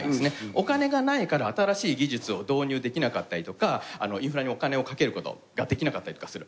お金がないから新しい技術を導入できなかったりとかインフラにお金をかけることができなかったりとかする。